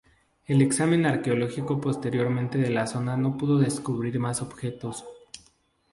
El examen arqueológico posterior de la zona no pudo descubrir más objetos.